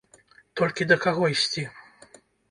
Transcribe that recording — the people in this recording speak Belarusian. Толькі да каго ісці?